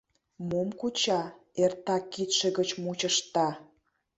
Мом куча — эртак кидше гыч мучышта.